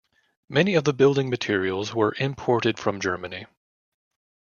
Many of the building materials were imported from Germany.